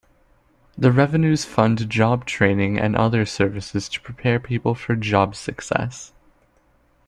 The revenues fund job training and other services to prepare people for job success.